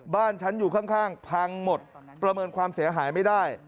บ้านฉันอยู่ข้างพังหมดประเมินความเสียหายไม่ได้